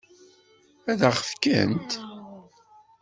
Ad ɣ-t-fkent?